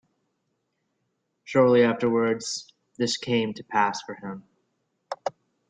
Shortly afterwards this came to pass for him.